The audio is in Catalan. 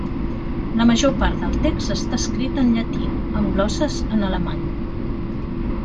La major part del text està escrit en llatí, amb glosses en alemany.